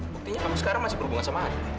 buktinya kamu sekarang masih berhubungan sama ari